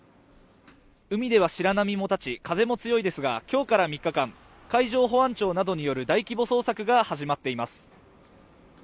海では白波も立ち風も強いですが今日から３日間海上保安庁などによる大規模捜索が始まっています。